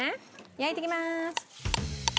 焼いていきまーす。